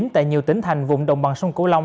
tại nhiều tỉnh thành vùng đồng bằng sông cửu long